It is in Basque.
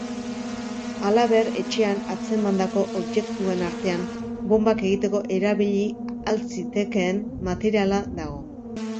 Halaber, etxean atzemandako objektuen artean bonbak egiteko erabili ahal zitekeen materiala dago.